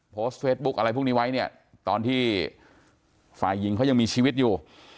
โพสต์เฟซบุ๊กอะไรพวกนี้ไว้เนี่ยตอนที่ฝ่ายหญิงเขายังมีชีวิตอยู่